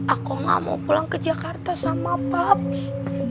aku gak mau pulang ke jakarta sama pubs